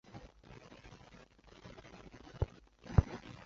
富后拉讷夫维勒人口变化图示